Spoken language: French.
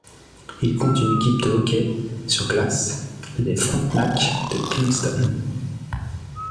Il compte une équipe de hockey sur glace, les Frontenacs de Kingston.